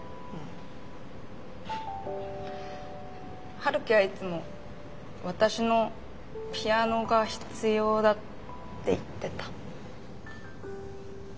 陽樹はいつも私のピアノが必要だって言ってた。